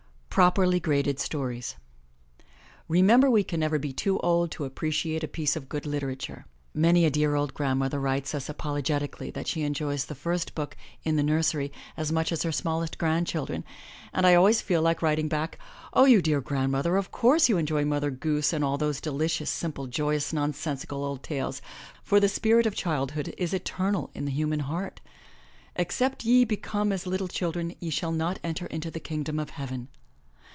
PROPERLY GRADED STORIES Remember we can never be too old to appreciate a piece of good literature. Many a dear old grandmother writes us apologetically that she enjoys the first book, In the Nursery as much as her smallest grandchildren, and I always feel like writing back, "Oh you dear grandmother, of course you enjoy Mother Goose and all those delicious, simple, joyous, nonsensical old tales, for the spirit of childhood is eternal in the human heart. 'Except ye become as little children ye shall not enter into the Kingdom of Heaven.'